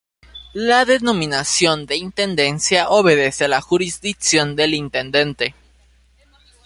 La denominación de intendencia obedece a la jurisdicción del intendente.